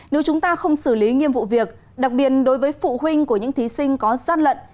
nếu chúng ta không xử lý nghiêm vụ việc đặc biệt đối với phụ huynh của những thí sinh có gian lận